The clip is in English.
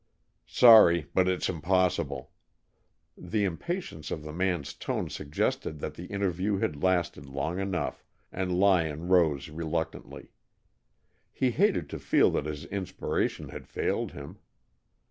"Sorry, but it's impossible." The impatience of the man's tone suggested that the interview Had lasted long enough, and Lyon rose reluctantly. He hated to feel that his inspiration had failed him.